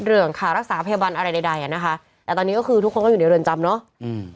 เรื่องค่ารักษาพยาบาลอะไรใดใดอ่ะนะคะแต่ตอนนี้ก็คือทุกคนก็อยู่ในเรือนจำเนอะอืม